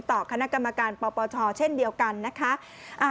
ต่อคณะกรรมการปปชเช่นเดียวกันนะคะ